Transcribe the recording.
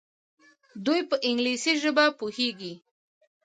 دوی په انګلیسي ژبه پوهیږي.